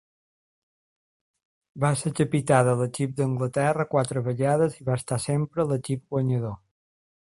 Va ser capità de l'equip d'Anglaterra quatre vegades i va estar sempre a l'equip guanyador.